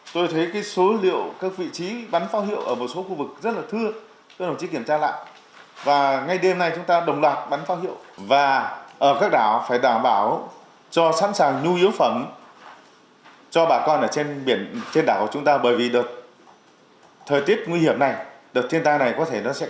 tình hình của bão